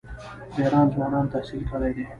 د ایران ځوانان تحصیل کړي دي.